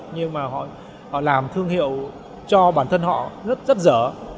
nhưng họ làm thương hiệu cho bản thân họ rất dở